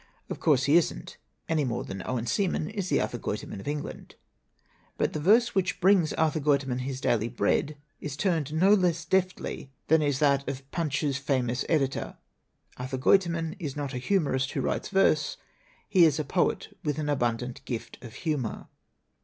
Of course he isn't, any more than Owen Seaman is the Arthur Guiterman of England. But the verse which brings Arthur Guiterman his daily bread is turned no less deftly than is that of Punch's famous editor. Arthur Guiterman is not a humorist who writes verse; he is a poet with an abundant gift of humor.